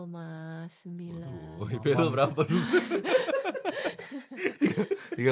waduh ipk nya berapa dula